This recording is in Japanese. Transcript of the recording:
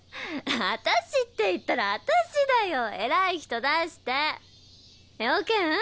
私って言ったら私だよ偉い人出して用件？